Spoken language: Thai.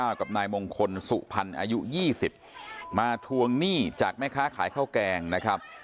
อายุ๒๙กับนายมงคลสุภัณฑ์อายุ๒๐มาทวงหนี้จากแม่ค้าขายเข้าแกงนะครับ